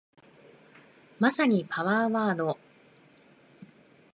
まさにパワーワード